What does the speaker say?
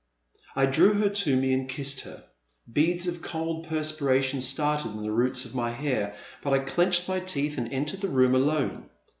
I drew her to me and kissed her. Beads of cold perspiration started in the roots of my hair, but I clenched my teeth and entered the room alone.